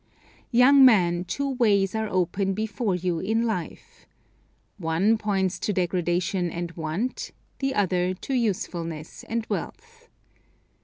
Young man, two ways are open before you in life. One points to degradation and want, the other, to usefulness and wealth.